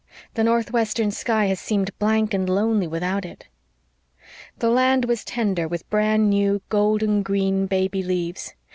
The northwestern sky has seemed blank and lonely without it." The land was tender with brand new, golden green, baby leaves.